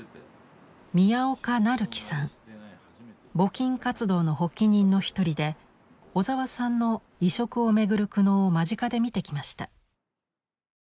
募金活動の発起人の一人で小沢さんの移植を巡る苦悩を間近で見てきました。